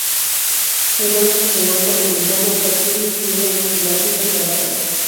Se encuentra desde el Golfo de California hasta Chile, incluyendo las Islas Galápagos.